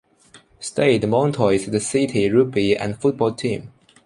Stade Montois is the city's rugby and football team.